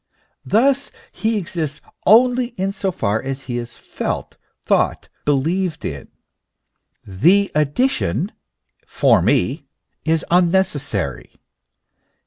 Thus he exists only in so far as he is felt, thought, believed in ; the addition " for me" is unnecessary.